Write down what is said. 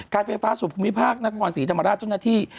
การไฟฟ้าศูนย์ภูมิภาคนักกรรมศรีธรรมดาเจ้าหน้าที่